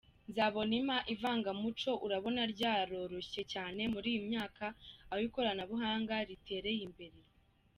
Nzabonimpa: Ivangamuco urabona ryaroroshye cyane muri iyi myaka aho ikoranabuhanga ritereye imbere.